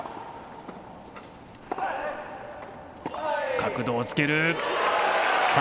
角度をつける！